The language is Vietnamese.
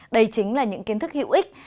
đây chính là những kiến thức hữu ích